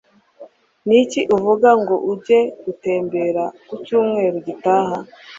Niki uvuga ngo ujye gutembera ku cyumweru gitaha?